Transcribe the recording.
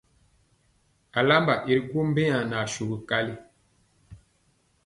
Alamba i ri gwo mbeya asugɔ kali.